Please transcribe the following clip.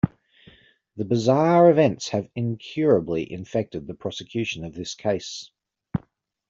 The bizarre events have incurably infected the prosecution of this case.